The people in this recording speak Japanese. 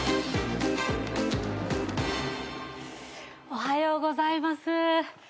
おはようございます。